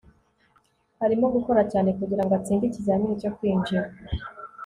arimo gukora cyane kugirango atsinde ikizamini cyo kwinjira